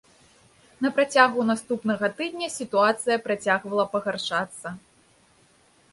На працягу наступнага тыдня сітуацыя працягвала пагаршацца.